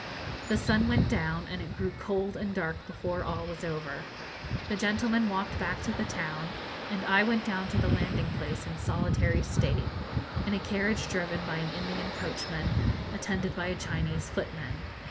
The sun went down, and it grew cold and dark before all was over. The gentlemen walked back to the town, and I went down to the landing place in solitary state, in a carriage driven by an Indian coachman, attended by a Chinese footman.